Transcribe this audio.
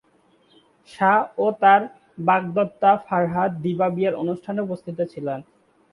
শাহ ও তার বাগদত্তা ফারাহ দিবা বিয়ের অনুষ্ঠানে উপস্থিত ছিলেন।